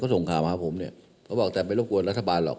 ส่งข่าวมาหาผมเนี่ยเขาบอกแต่ไม่รบกวนรัฐบาลหรอก